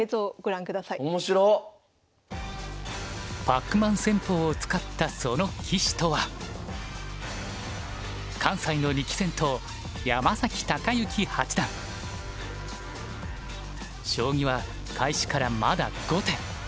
パックマン戦法を使ったその棋士とは関西の力戦党将棋は開始からまだ５手。